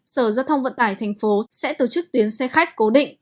ba sở giao thông vận tải thành phố sẽ tổ chức tuyến xe khách cố định